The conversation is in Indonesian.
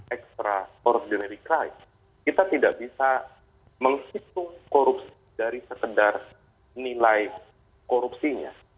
extraordinary crime kita tidak bisa menghitung korupsi dari sekedar nilai korupsinya